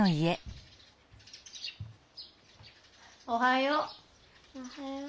おはよう。